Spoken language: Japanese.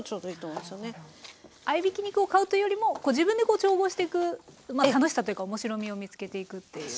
合いびき肉を買うというよりも自分で調合していく楽しさというか面白みを見つけていくっていう。